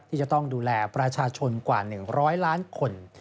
ที่จะต้องดูแลประชาชนกว่า๑๐๐ล้านคน